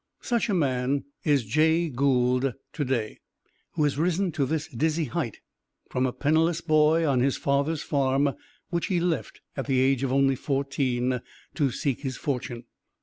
Such a man is Jay Gould to day who has risen to this dizzy height, from a penniless boy on his father's farm, which he left at the age of only fourteen to seek his fortune.